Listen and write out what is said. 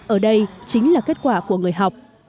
ở đây chính là kết quả của người học